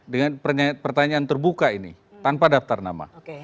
dengan pertanyaan terbuka ini tanpa daftar nama